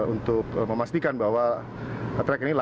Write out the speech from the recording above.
untuk memastikan bahwa track ini